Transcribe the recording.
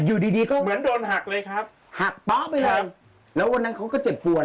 อยู่ดีดีก็เหมือนโดนหักเลยครับหักป๊ะไปเลยแล้ววันนั้นเขาก็เจ็บปวด